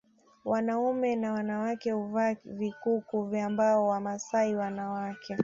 Wanaume na wanawake huvaa vikuku vya mbao Wamasai wanawake